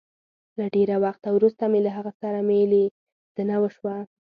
له ډېره وخته وروسته مي له هغه سره مي ليدنه وشوه